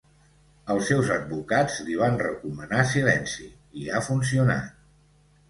Els seus advocats li van recomanar silenci, i ha funcionat.